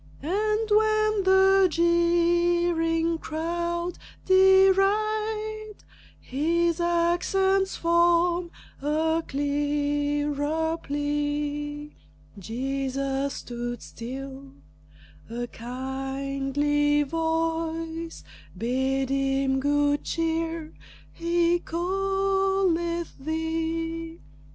And when the jeering crowd deride, His accents form a clearer plea. Jesus stood still. A kindly voice Bade him good cheer "He calleth thee."